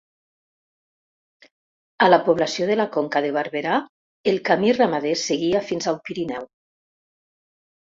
A la població de la Conca de Barberà, el camí ramader seguia fins al Pirineu.